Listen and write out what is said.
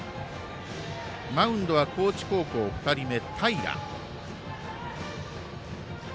マウンドは高知高校２人目の平。